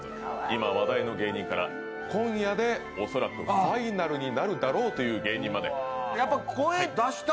今話題の芸人から今夜でおそらくファイナルになるだろうという芸人まで。